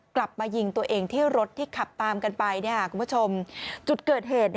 กลับมายิงตัวเองที่รถที่ขับตามกันไปคุณผู้ชมจุดเกิดเหตุ